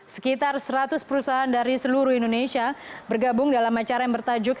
sekitar seratus perusahaan dari seluruh indonesia bergabung dalam acara yang bertajuk